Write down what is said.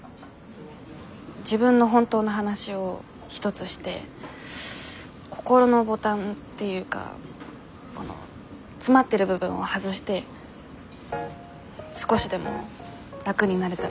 自分の本当の話を一つして心のボタンっていうかこの詰まってる部分を外して少しでも楽になれたらなって。